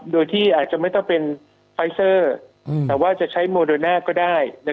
โดยที่อาจจะไม่ต้องเป็นไฟเซอร์แต่ว่าจะใช้โมโดน่าก็ได้